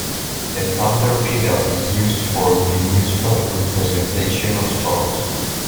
A thunder pedal is used for the musical representation of storms.